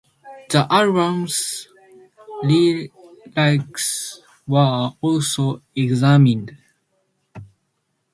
The album's lyrics were also examined.